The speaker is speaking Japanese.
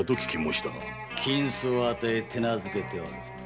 金子を与え手なづけてある。